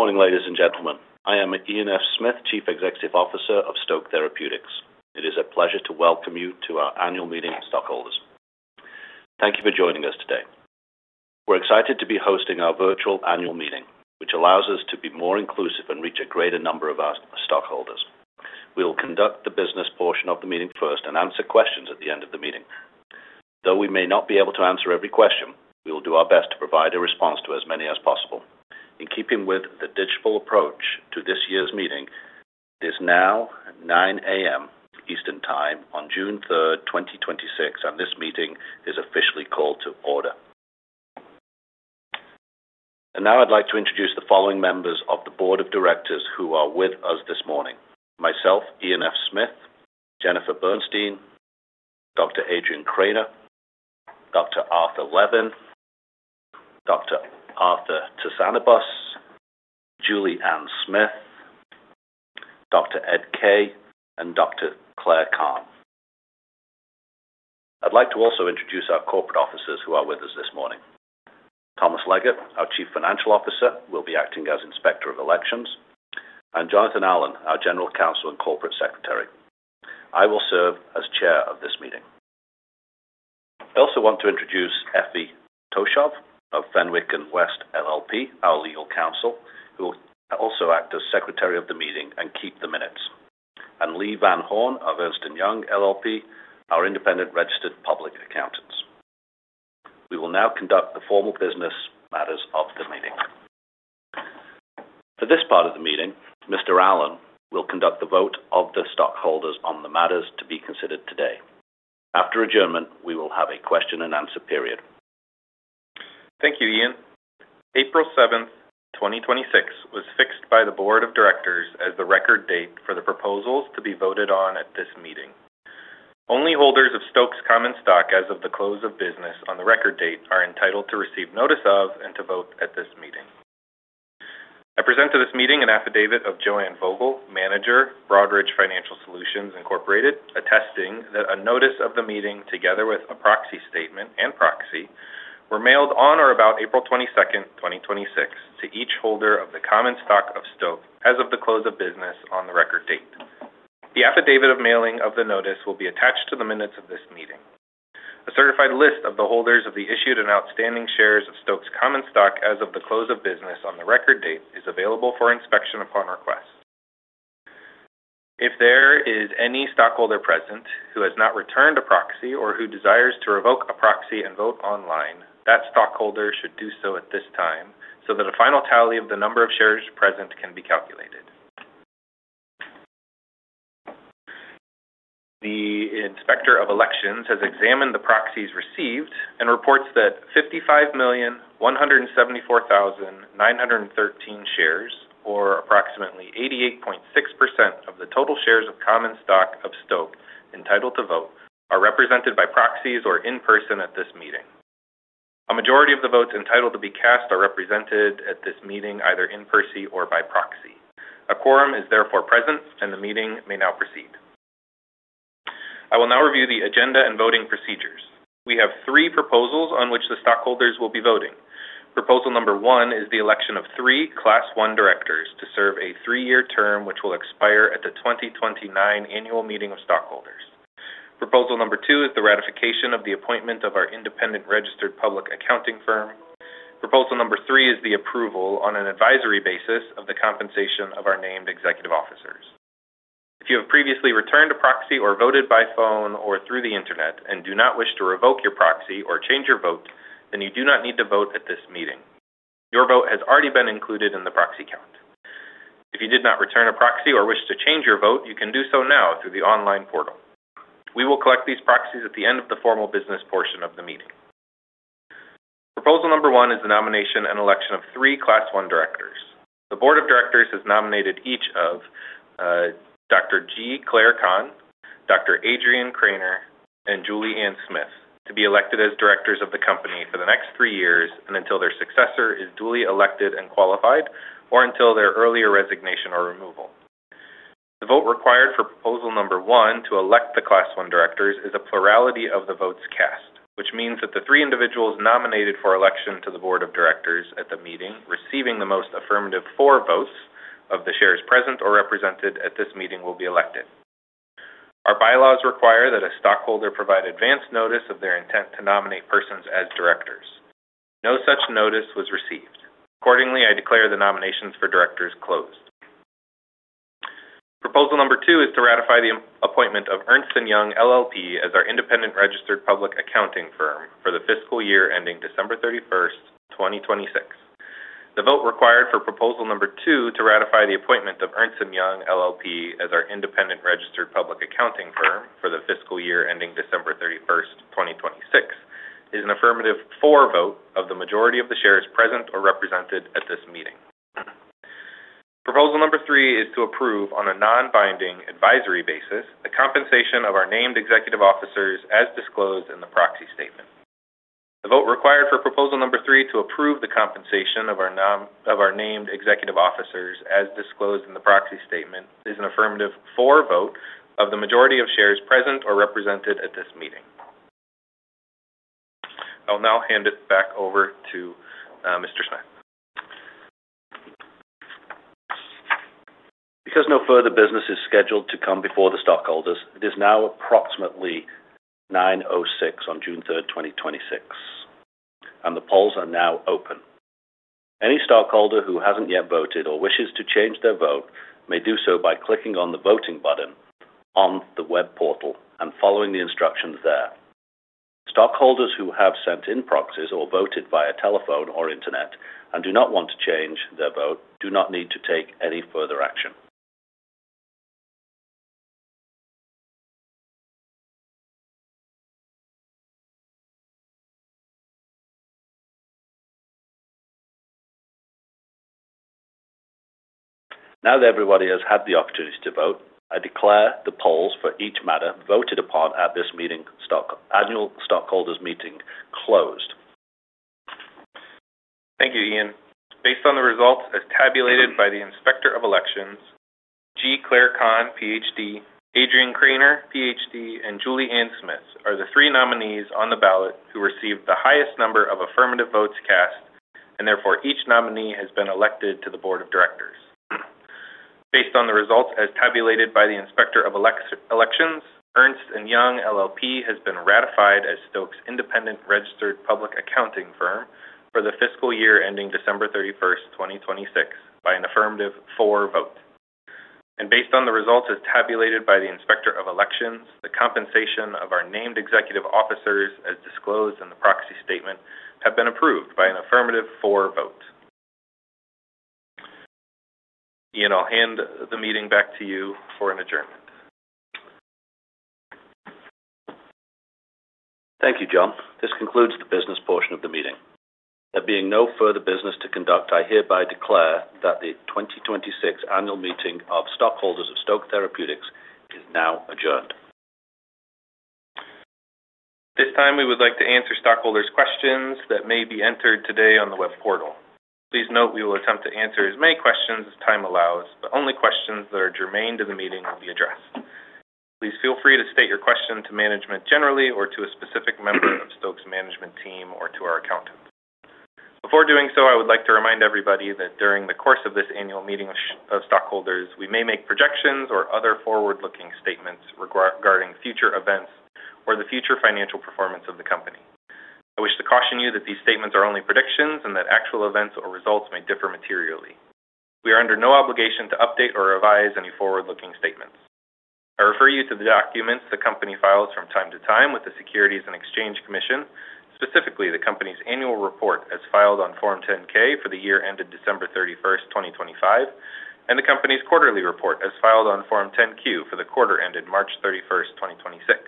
Good morning, ladies and gentlemen. I am Ian F. Smith, Chief Executive Officer of Stoke Therapeutics. It is a pleasure to welcome you to our annual meeting of stockholders. Thank you for joining us today. We're excited to be hosting our virtual annual meeting, which allows us to be more inclusive and reach a greater number of our stockholders. We'll conduct the business portion of the meeting first and answer questions at the end of the meeting. Though we may not be able to answer every question, we will do our best to provide a response to as many as possible. In keeping with the digital approach to this year's meeting, it is now 9:00 A.M. Eastern Time on June 3rd, 2026, and this meeting is officially called to order. Now I'd like to introduce the following members of the board of directors who are with us this morning. Myself, Ian F. Smith, Jennifer Burstein, Dr. Adrian Krainer, Dr. Arthur Levin, Dr. Arthur Tzianabos, Julie Anne Smith, Dr. Ed Kaye, and Dr. Clare Kahn. I'd like to also introduce our corporate officers who are with us this morning. Thomas Leggett, our Chief Financial Officer, will be acting as Inspector of Elections, and Jonathan Allan, our General Counsel and Corporate Secretary. I will serve as chair of this meeting. I also want to introduce Effie Toshav of Fenwick & West LLP, our legal counsel, who will also act as secretary of the meeting and keep the minutes, and Lee Van Horn of Ernst & Young LLP, our independent registered public accountants. We will now conduct the formal business matters of the meeting. For this part of the meeting, Mr. Allan will conduct the vote of the stockholders on the matters to be considered today. After adjournment, we will have a question and answer period. Thank you, Ian. April 7th, 2026, was fixed by the board of directors as the record date for the proposals to be voted on at this meeting. Only holders of Stoke's common stock as of the close of business on the record date are entitled to receive notice of and to vote at this meeting. I present to this meeting an affidavit of Joanne Vogel, manager, Broadridge Financial Solutions, Inc., attesting that a notice of the meeting, together with a proxy statement and proxy, were mailed on or about April 22nd, 2026, to each holder of the common stock of Stoke as of the close of business on the record date. The affidavit of mailing of the notice will be attached to the minutes of this meeting. A certified list of the holders of the issued and outstanding shares of Stoke's common stock as of the close of business on the record date is available for inspection upon request. If there is any stockholder present who has not returned a proxy or who desires to revoke a proxy and vote online, that stockholder should do so at this time so that a final tally of the number of shares present can be calculated. The Inspector of Elections has examined the proxies received and reports that 55,174,913 shares, or approximately 88.6% of the total shares of common stock of Stoke entitled to vote, are represented by proxies or in person at this meeting. A majority of the votes entitled to be cast are represented at this meeting, either in person or by proxy. A quorum is therefore present, and the meeting may now proceed. I will now review the agenda and voting procedures. We have three proposals on which the stockholders will be voting. Proposal number one is the election of three Class I directors to serve a three-year term which will expire at the 2029 annual meeting of stockholders. Proposal number two is the ratification of the appointment of our independent registered public accounting firm. Proposal number three is the approval on an advisory basis of the compensation of our named executive officers. If you have previously returned a proxy or voted by phone or through the internet and do not wish to revoke your proxy or change your vote, then you do not need to vote at this meeting. Your vote has already been included in the proxy count. If you did not return a proxy or wish to change your vote, you can do so now through the online portal. We will collect these proxies at the end of the formal business portion of the meeting. Proposal number one is the nomination and election of three Class I directors. The board of directors has nominated each of Dr. G. Clare Kahn, Dr. Adrian Krainer, and Julie Anne Smith to be elected as directors of the company for the next three years and until their successor is duly elected and qualified, or until their earlier resignation or removal. The vote required for proposal number one to elect the Class I directors is a plurality of the votes cast, which means that the three individuals nominated for election to the board of directors at the meeting receiving the most affirmative for votes of the shares present or represented at this meeting will be elected. Our bylaws require that a stockholder provide advance notice of their intent to nominate persons as directors. No such notice was received. Accordingly, I declare the nominations for directors closed. Proposal number two is to ratify the appointment of Ernst & Young LLP as our independent registered public accounting firm for the fiscal year ending December 31st, 2026. The vote required for proposal number two to ratify the appointment of Ernst & Young LLP as our independent registered public accounting firm for the fiscal year ending December 31st, 2026, is an affirmative for vote of the majority of the shares present or represented at this meeting. Proposal number three is to approve on a non-binding advisory basis the compensation of our named executive officers as disclosed in the proxy statement. The vote required for proposal number three to approve the compensation of our named executive officers, as disclosed in the proxy statement, is an affirmative for vote of the majority of shares present or represented at this meeting. I'll now hand it back over to Mr. Smith. Because no further business is scheduled to come before the stockholders, it is now approximately 9:06 A.M. on June 3rd, 2026. The polls are now open. Any stockholder who hasn't yet voted or wishes to change their vote may do so by clicking on the voting button on the web portal and following the instructions there. Stockholders who have sent in proxies or voted via telephone or internet and do not want to change their vote do not need to take any further action. Now that everybody has had the opportunity to vote, I declare the polls for each matter voted upon at this Annual Stockholders Meeting closed. Thank you, Ian. Based on the results as tabulated by the Inspector of Elections, G. Clare Kahn, PhD, Adrian Krainer, PhD, and Julie Anne Smith are the three nominees on the ballot who received the highest number of affirmative votes cast, therefore, each nominee has been elected to the board of directors. Based on the results as tabulated by the Inspector of Elections, Ernst & Young LLP has been ratified as Stoke's independent registered public accounting firm for the fiscal year ending December 31st, 2026, by an affirmative for vote. Based on the results as tabulated by the Inspector of Elections, the compensation of our named executive officers, as disclosed in the proxy statement, have been approved by an affirmative for vote. Ian, I'll hand the meeting back to you for an adjournment. Thank you, John. This concludes the business portion of the meeting. There being no further business to conduct, I hereby declare that the 2026 annual meeting of stockholders of Stoke Therapeutics is now adjourned. At this time, we would like to answer stockholders' questions that may be entered today on the web portal. Please note we will attempt to answer as many questions as time allows, but only questions that are germane to the meeting will be addressed. Please feel free to state your question to management generally or to a specific member of Stoke's management team or to our accountant. Before doing so, I would like to remind everybody that during the course of this annual meeting of stockholders, we may make projections or other forward-looking statements regarding future events or the future financial performance of the company. I wish to caution you that these statements are only predictions and that actual events or results may differ materially. We are under no obligation to update or revise any forward-looking statements. I refer you to the documents the company files from time to time with the Securities and Exchange Commission, specifically the company's annual report as filed on Form 10-K for the year ended December 31st, 2025, and the company's quarterly report as filed on Form 10-Q for the quarter ended March 31st, 2026.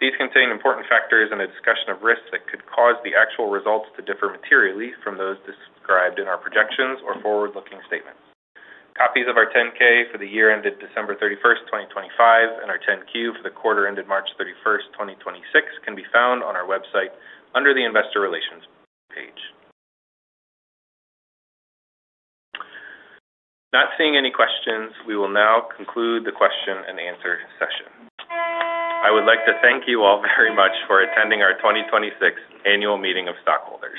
These contain important factors and a discussion of risks that could cause the actual results to differ materially from those described in our projections or forward-looking statements. Copies of our 10-K for the year ended December 31st, 2025, and our 10-Q for the quarter ended March 31st, 2026, can be found on our website under the investor relations page. Not seeing any questions, we will now conclude the question and answer session. I would like to thank you all very much for attending our 2026 annual meeting of stockholders.